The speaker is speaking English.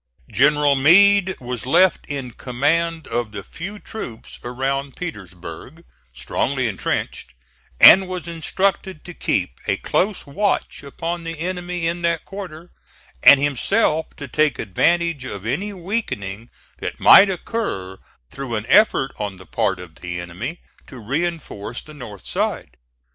General Meade was left in command of the few troops around Petersburg, strongly intrenched; and was instructed to keep a close watch upon the enemy in that quarter, and himself to take advantage of any weakening that might occur through an effort on the part of the enemy to reinforce the north side.